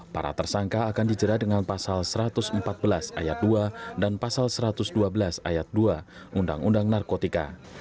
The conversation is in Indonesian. para tersangka akan dijerat dengan pasal satu ratus empat belas ayat dua dan pasal satu ratus dua belas ayat dua undang undang narkotika